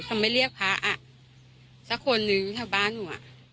ทำไมเรียกพระอ่ะสักคนนึงแถวบ้านหนูอ่ะ